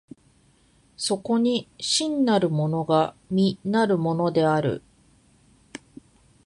そこに真なるものが実なるものである。